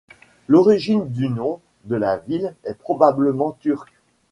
L’origine du nom de la ville est probablement turque.